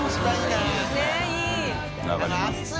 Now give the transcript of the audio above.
いい。